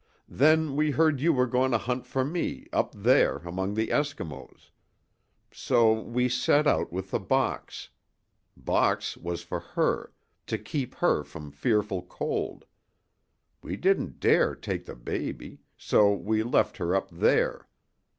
Then we heard you were goin' to hunt for me up there among the Eskimos. So we set out with the box. Box was for her to keep her from fearful cold. We didn't dare take the baby so we left her up there.